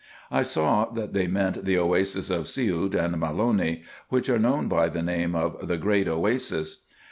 I saw that they meant the oasis of Siout and Maloni, which are known by the name of the Great Oasis.